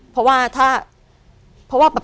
เพราะว่าถ้า